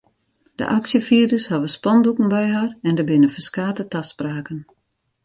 De aksjefierders hawwe spandoeken by har en der binne ferskate taspraken.